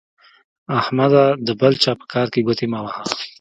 احمده د بل چا په کار کې ګوتې مه وهه.